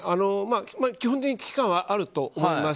基本的に危機感はあると思います。